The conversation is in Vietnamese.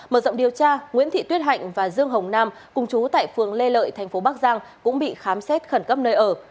mở rộng điều tra nguyễn thị tuyết hạnh và dương hồng nam cùng chú tại phường lê lợi thành phố bắc giang cũng bị khám xét khẩn cấp nơi ở